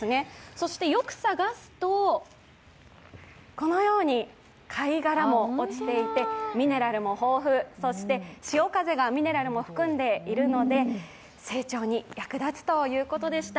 そして、よく探すとこのように貝殻も落ちていて、ミネラルも豊富、そして潮風がミネラルも含んでいるので成長に役立つということでした。